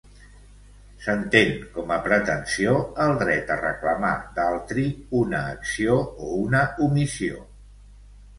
S'entén com a pretensió el dret a reclamar d'altri una acció o una omissió.